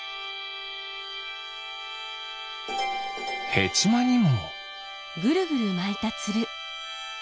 ヘチマにも。